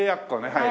はい。